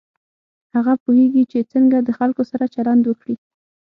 هغه پوهېږي چې څنګه د خلکو سره چلند وکړي.